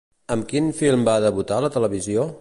Amb quin film va debutar a la televisió?